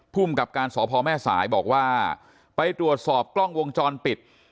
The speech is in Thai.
ภูมิกับการสพแม่สายบอกว่าไปตรวจสอบกล้องวงจรปิด